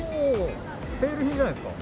セール品じゃないですか。